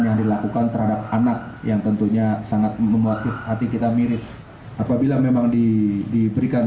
yang dilakukan terhadap anak yang tentunya sangat membuat hati kita miris apabila memang diberikan